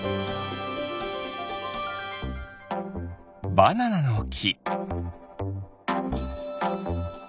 バナナのき。